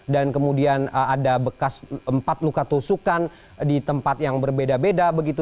dan kemudian ada bekas empat luka tusukan di tempat yang berbeda beda begitu